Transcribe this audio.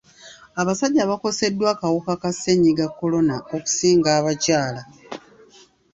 Abasajja bakoseddwa akawuka ka ssennyiga kolona okusinga abakyala.